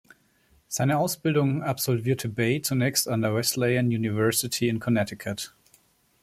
Seine Ausbildung absolvierte Bay zunächst an der Wesleyan University in Connecticut.